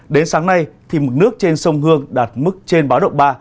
đến sáng nay một nước trên sông hương đạt mức trên báo động ba